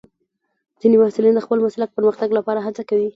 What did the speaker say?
ځینې محصلین د خپل مسلک پرمختګ لپاره هڅه کوي.